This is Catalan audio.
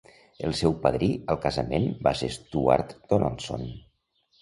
El seu padrí al casament va ser Stuart Donaldson.